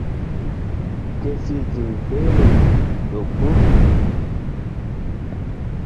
Ke si ziŋ behleri ƴo gbur.